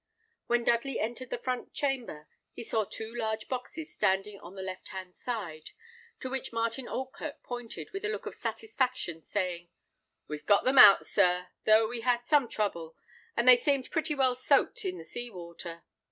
When Dudley entered the front chamber, he saw two large boxes standing on the left hand side, to which Martin Oldkirk pointed, with a look of satisfaction, saying, "We've got them out, sir, though we had some trouble, and they seemed pretty well soaked in the seawater.